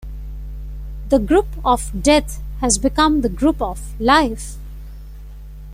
The group of death has become the group of life.